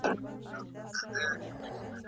ایا دا ستاسو د خوښي مسلک دی؟